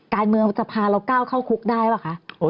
การเมืองจะพาเราก้าวเข้าคุกได้ป่ะคะ